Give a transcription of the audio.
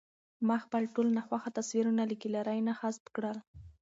ما خپل ټول ناخوښه تصویرونه له ګالرۍ نه حذف کړل.